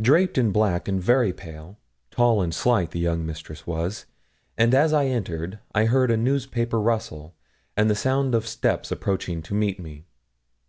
Draped in black and very pale, tall and slight, 'the young mistress' was; and as I entered I heard a newspaper rustle, and the sound of steps approaching to meet me.